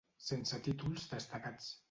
Sense títols destacats.